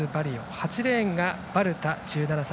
８レーンがバルタ、１７歳